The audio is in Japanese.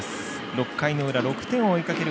６回の裏、６点を追いかける